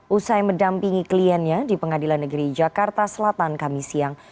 usai mendampingi kliennya di pengadilan negeri jakarta selatan kami siang